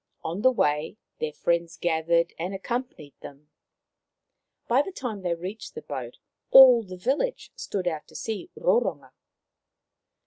On the way their friends gathered and accompanied them. By the time they reached the boat all the village stood about to see Roronga.